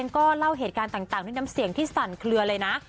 ก็เล่าเหตุการณ์ต่างด้วยน้ำเสียงที่สั่นเคลือเลยนะ